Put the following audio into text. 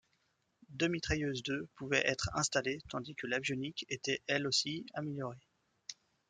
Deux mitrailleuses de pouvaient être installées, tandis que l'avionique était elle aussi améliorée.